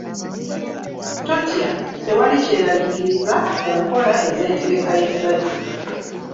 Totya, tewali kyeraliikiriza ku nkola ez’entegeka y’ezzadde.